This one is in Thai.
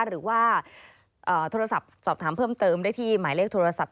หรือว่าโทรศัพท์สอบถามเพิ่มเติมได้ที่หมายเลขโทรศัพท์